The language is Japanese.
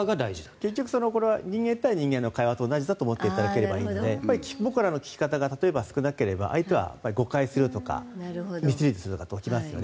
結局、人間対人間の会話と同じだと思っていただければいいので僕らの聞き方が例えば少なければ相手は誤解するとかミスリードが起きますよね。